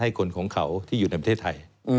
คนของเขาที่อยู่ในประเทศไทย